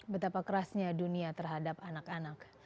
betapa kerasnya dunia terhadap anak anak